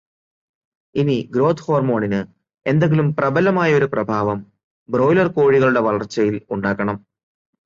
ഇനി ഗ്രോത് ഹോർമോണിന് എന്തെങ്കിലും പ്രബലമായ ഒരു പ്രഭാവം ബ്രോയ്ലർ കോഴികളുടെ വളർച്ചയിൽ ഉണ്ടാക്കണം